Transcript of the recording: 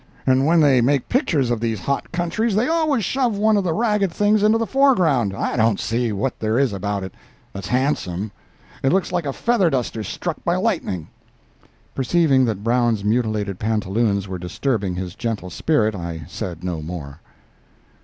And when they make pictures of these hot countries they always shove one of the ragged things into the foreground. I don't see what there is about it that's handsome; it looks like a feather duster struck by lightning." Perceiving that Brown's mutilated pantaloons were disturbing his gentle spirit, I said no more.